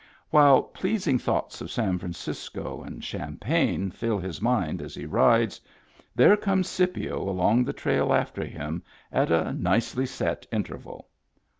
While pleasing thoughts of San Fran cisco and champagne fill his mind as he rides, there comes Scipio along the trail after him at a nicely set interval.